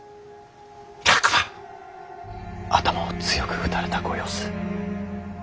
頭を強く打たれたご様子。